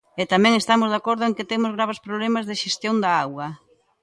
E tamén estamos de acordo en que temos graves problemas de xestión da auga.